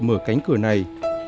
mở cánh cửa này